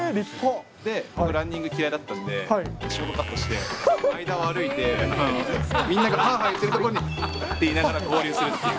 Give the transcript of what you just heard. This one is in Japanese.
僕、ランニング嫌いだったんで、ショートカットして、間を歩いて、みんなが、はあはあ言ってるところに、言いながら合流するっていう。